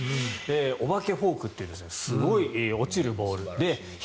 お化けフォークっていうすごい落ちるボール。